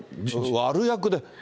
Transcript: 悪役で。